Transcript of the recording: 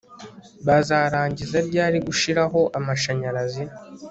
Bazarangiza ryari gushiraho amashanyarazi